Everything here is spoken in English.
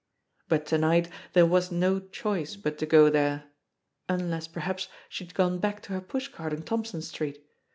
But to night there was no choice but to go there unless perhaps she had gone back to her pushcart in Thompson Street.